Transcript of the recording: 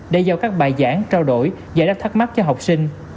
để giao các bài giảng trao đổi giải đáp thắc mắc cho học sinh